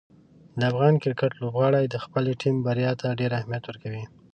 د افغان کرکټ لوبغاړي د خپلې ټیم بریا ته ډېر اهمیت ورکوي.